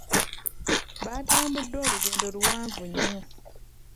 Baatambudde olugendo luwanvu nnyo.